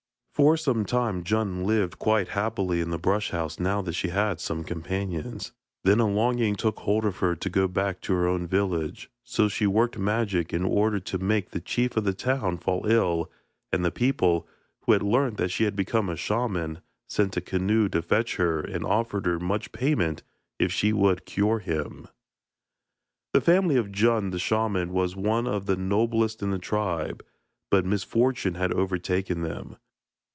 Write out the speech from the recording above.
For some time Djun lived quite happily in the brush house now that she had some companions; then a longing took hold of her to go back to her own village, so she worked magic in order to make the chief of the town fall ill, and the people, who had learnt that she had become a shaman, sent a canoe to fetch her and offered her much payment if she would cure him. The family of Djun the shaman was one of the noblest in the tribe, but misfortune had overtaken them.